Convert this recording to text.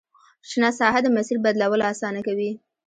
شنه ساحه د مسیر بدلول اسانه کوي